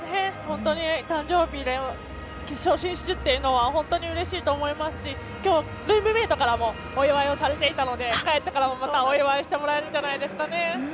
誕生日で決勝進出っていうのは本当にうれしいと思いますしルームメートからもお祝いをされたので帰ってから、またお祝いしてもらえるんじゃないですかね。